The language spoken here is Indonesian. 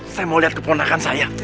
saya mau lihat keponakan saya